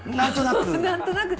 何となく？